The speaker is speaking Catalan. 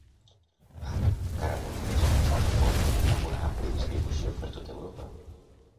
"H. caraboides" compta amb una àmplia distribució per tot Europa.